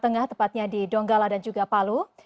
tengah tepatnya di donggala dan juga palu